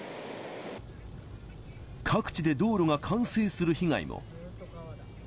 各地で道路が冠水する被害も。